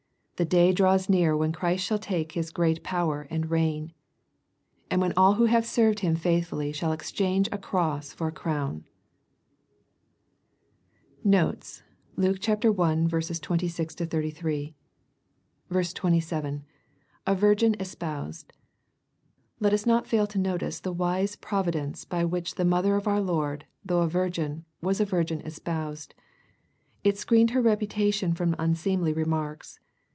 The day draws near when Christ shall take His great power and reign ; and when all who have served Him faithfully shall exchange a cross for a crown. Notes. Luke I. 26—33. 27. — [A virgin, espoused,'] Let us not fail to notice the wise provi dence by which the mother of our Lord, though a virgin, was a virgin "espoused." It screened her reputation from tmseemly remarks.